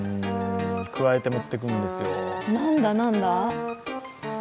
くわえて持っていくんですよ。